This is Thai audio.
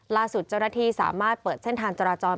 ล่าสุดเจ้าหน้าที่สามารถเปิดเส้นทางจราจร